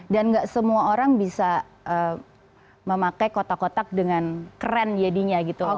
dan gak semua orang bisa memakai kotak kotak dengan keren jadinya gitu loh